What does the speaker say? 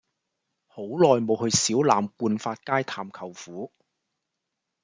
好耐無去小欖冠發街探舅父